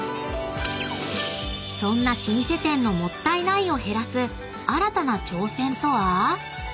［そんな老舗店のもったいないを減らす新たな挑戦とは？］